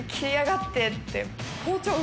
って。